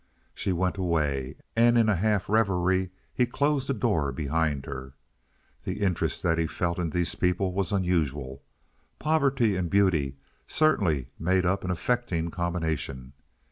She went away, and in a half reverie he closed the door behind her. The interest that he felt in these people was unusual. Poverty and beauty certainly made up an affecting combination.